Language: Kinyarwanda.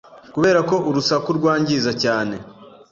Kuberako urusaku rwangiza cyane